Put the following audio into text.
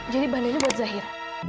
jadi bando ini buat jahira